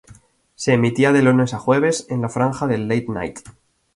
Se emitía de lunes a jueves en la franja del late night.